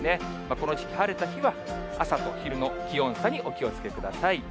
この時期、晴れた日は朝と昼の気温差にお気をつけください。